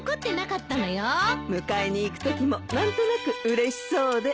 迎えに行くときも何となくうれしそうで。